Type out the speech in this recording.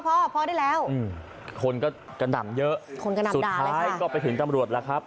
พ่อพอได้แล้วอืมคนก็กระหน่ำเยอะคนกระหน่ำสุดท้ายก็ไปถึงตำรวจแล้วครับ